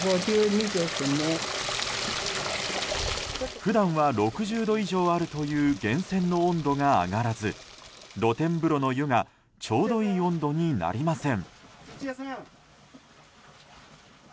普段は６０度以上あるという源泉の温度が上がらず露天風呂の湯がちょうどいい温度になりません。